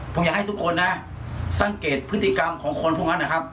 ผมอยากให้ทุกคนนะสังเกตพฤติกรรมของคนพวกนั้นนะครับ